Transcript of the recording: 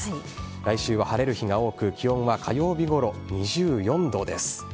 来週は晴れる日が多く気温は火曜日ごろ、２４度です。